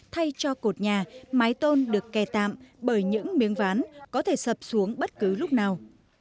thay cho cột nhà mái tôn được kè tạm bởi những miếng ván có thể sập xuống bất cứ lúc nào